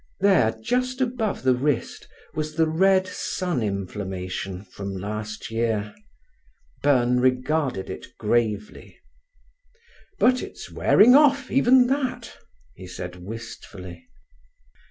There, just above the wrist, was the red sun inflammation from last year. Byrne regarded it gravely. "But it's wearing off—even that," he said wistfully.